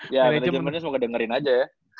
ya manajemennya semoga dengerin aja ya